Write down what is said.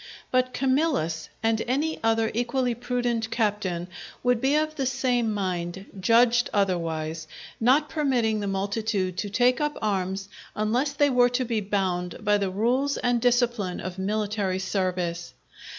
But Camillus, and any other equally prudent captain would be of the same mind, judged otherwise, not permitting the multitude to take up arms unless they were to be bound by the rules and discipline of military service.